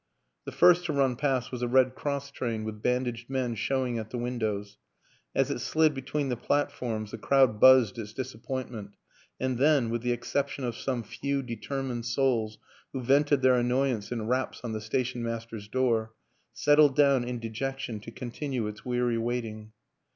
The first to run past was a Red Cross train with bandaged men showing at the windows; as it slid between the platforms the crowd buzzed its dis appointment and then with the exception of some few determined souls who vented their an noyance in raps on the station master's door settled down in dejection to continue its weary waiting.